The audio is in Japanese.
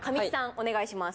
お願いします。